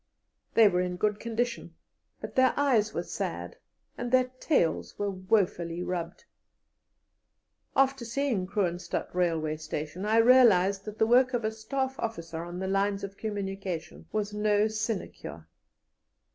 They were in good condition, but their eyes were sad and their tails were woefully rubbed. After seeing Kroonstadt Railway station, I realized that the work of a Staff officer on the lines of communication was no sinecure.